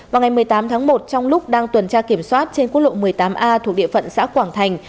vào ngày một mươi tám tháng một trong lúc đang tuần tra kiểm soát trên quốc lộ một mươi tám a thuộc địa phận xã quảng thành